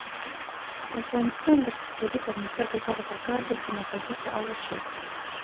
د افغانستان د اقتصادي پرمختګ لپاره پکار ده چې نساجي فعاله شي.